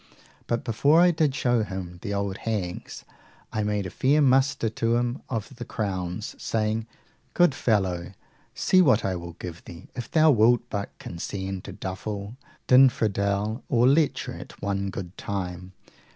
But, before I did show him the old hags, I made a fair muster to him of the crowns, saying, Good fellow, see what I will give thee if thou wilt but condescend to duffle, dinfredaille, or lecher it one good time.